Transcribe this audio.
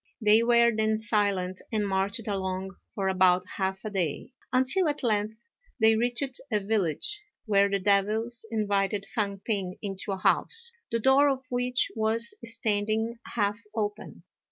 They were then silent, and marched along for about half a day, until at length they reached a village, where the devils invited Fang p'ing into a house, the door of which was standing half open.